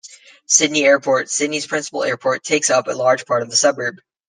Sydney Airport, Sydney's principal airport, takes up a large part of the suburb.